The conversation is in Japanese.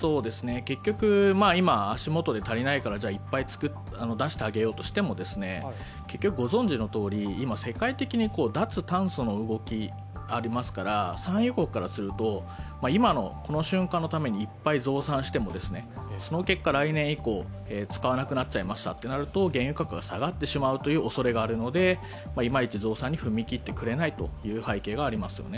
結局、今、足元で足りないからいっぱい出してあげようとしても結局、今、世界的に脱炭素の動きがありますから産油国からすると、今のこの瞬間のためにいっぱい増産してもその結果、来年以降、使わなくなっちゃいましたとなると原油価格が下がってしまうというおそれがあるのでいまいち増産に踏み切ってくれないという背景がありますよね。